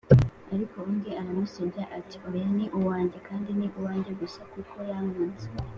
ariko undi aramusebya ati: “oya, ni uwanjye, kandi ni uwanjye gusa, kuko yankunze!”